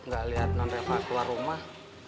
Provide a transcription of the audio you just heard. gak liat nan rafa keluar rumah